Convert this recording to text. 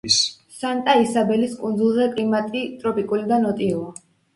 სანტა-ისაბელის კუნძულზე კლიმატი ტროპიკული და ნოტიოა.